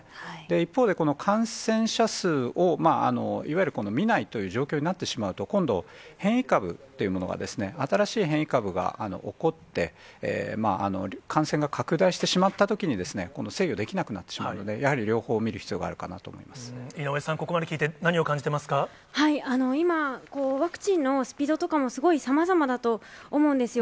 一方でこの感染者数を、いわゆる見ないという状況になってしまうと、今度、変異株というものが、新しい変異株が起こって、感染が拡大してしまったときに、制御できなくなってしまうので、やはり両方見る必要があるかなと思いま井上さん、ここまで聞いて、今、ワクチンのスピードとかも、すごいさまざまだと思うんですよ。